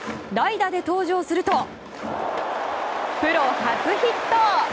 代打で登場するとプロ初ヒット！